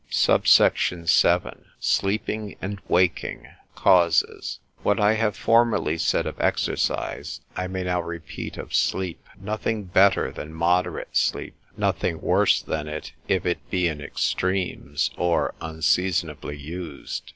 SUBSECT. VII.—Sleeping and Waking, Causes. What I have formerly said of exercise, I may now repeat of sleep. Nothing better than moderate sleep, nothing worse than it, if it be in extremes, or unseasonably used.